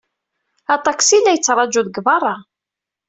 Aṭaksi la yettṛaju deg beṛṛa.